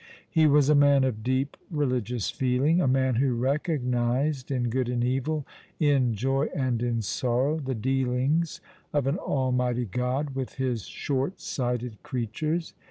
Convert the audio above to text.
He was a man of deep religious feeling — a man who recognized in good and evil, in joy and in sorrow, the dealings of an Almighty God with His short sighted creatures.